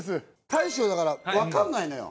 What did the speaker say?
大将だから分かんないのよ